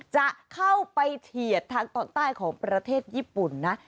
จะเข้าไปเฉียดทางตอนใต้ของประเทศญี่ปุ่นนะ